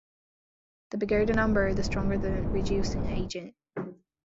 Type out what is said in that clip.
The bigger the number, the stronger the reducing agent.